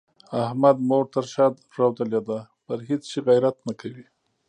احمد مور تر شا رودلې ده؛ پر هيڅ شي غيرت نه کوي.